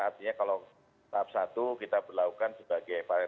artinya kalau tahap satu kita berlakukan sebagai varian